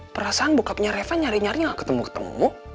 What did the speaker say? perasaan bukanya reva nyari nyari gak ketemu ketemu